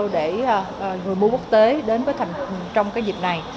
để người mua quốc tế đến với thành phố trong dịp này